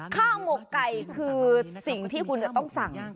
หมกไก่คือสิ่งที่คุณจะต้องสั่ง